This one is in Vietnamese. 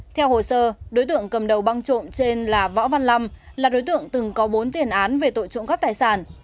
theo hồ sơ đối tượng cầm đầu băng trộm trên là võ văn lâm là đối tượng từng có bốn tiền án về tội trộm cắp tài sản